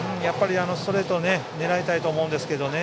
ストレートを狙いたいと思うんですけどね。